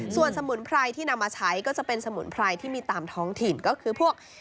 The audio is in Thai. ส่วนสมุนไพรที่นำมาใช้ก็จะเป็นสมุนไพรที่มีตามท้องถิ่นก็คือพวก